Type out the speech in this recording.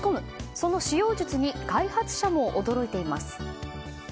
その使用術に開発者も驚いています。